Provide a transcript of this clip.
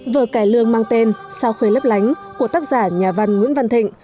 vở cải lương mang tên sao khuê lấp lánh của tác giả nhà văn nguyễn văn thịnh